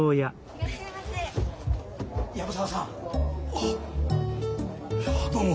あっいやどうも！